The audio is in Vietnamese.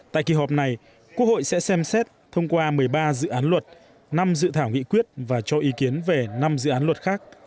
tại kỳ họp này quốc hội sẽ xem xét thông qua một mươi ba dự án luật năm dự thảo nghị quyết và cho ý kiến về năm dự án luật khác